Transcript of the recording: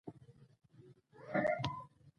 ورزش کول د خلاقیت په زیاتولو کې مرسته کوي.